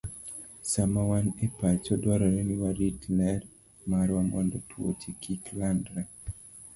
Sama wan e pacho, dwarore ni warit ler marwa mondo tuoche kik landre.